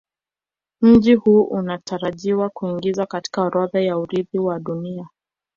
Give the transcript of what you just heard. Mji huu unatarajiwa kuingizwa katika orodha ya Urithi wa Dunia